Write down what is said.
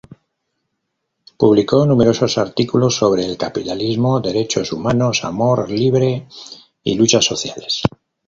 Publicó numerosos artículos sobre el capitalismo, derechos humanos, amor libre y luchas sociales.